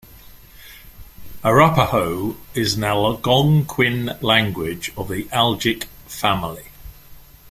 Arapaho is an Algonquian language of the Algic family.